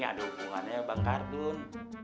ada hubungannya bang cardun